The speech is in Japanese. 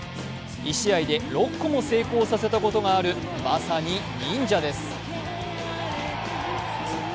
１試合で６個も成功させたことがあるまさに忍者です。